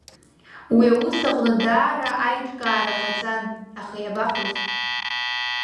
Уи аус аҟны даара аиҿкаара ҟаҵан, аха иабахәоз.